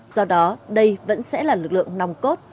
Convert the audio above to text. do đó đây vẫn sẽ là lực lượng nòng cốt